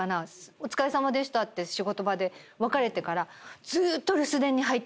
お疲れさまでしたって仕事場で別れてから。